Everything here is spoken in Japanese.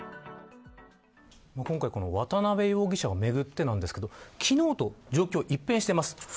今回、この渡辺容疑者をめぐってなんですけど昨日と状況が一変してます。